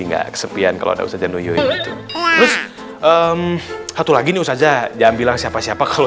enggak kesepian kalau ada usaha noyoi satu lagi usaha jangan bilang siapa siapa kalau